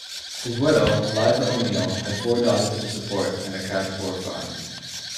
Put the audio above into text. His widow, Eliza O'Neal, had four daughters to support and a cash-poor farm.